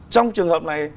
trong trường hợp này